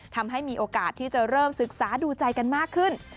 มีโอกาสที่จะเริ่มศึกษาดูใจกันมากขึ้น